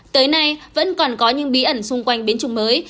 tới nay vẫn còn có những bí ẩn xung quanh biến chủng mới